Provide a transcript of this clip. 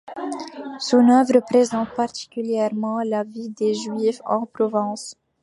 Son œuvre présente particulièrement la vie des juifs en Provence.